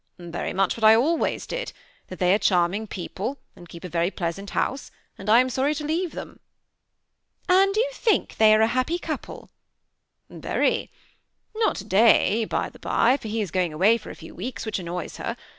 " Very much what I always did : that they are very charming people, and keep a very pleasant house, and I am sorry to leave them.'' ^ And you think they are a happy couple ?"•^ Very,* * not to day, by the by, for he is going away for a few weeks, which annoys her.